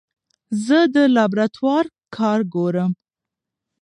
زه د لابراتوار کار ګورم.